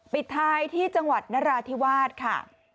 ปิดท้ายที่จังหวัดนราธิวาสค่ะ